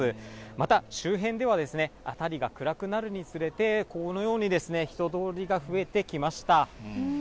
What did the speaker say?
また周辺では、辺りが暗くなるにつれて、このように人通りが増えてきました。